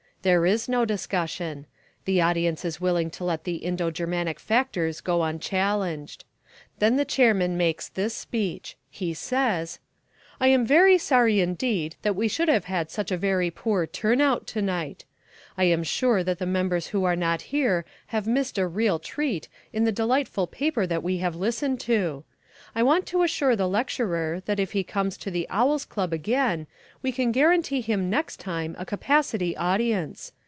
There is no discussion. The audience is willing to let the Indo Germanic factors go unchallenged. Then the chairman makes this speech. He says: "I am very sorry indeed that we should have had such a very poor 'turn out' to night. I am sure that the members who were not here have missed a real treat in the delightful paper that we have listened to. I want to assure the lecturer that if he comes to the Owl's Club again we can guarantee him next time a capacity audience.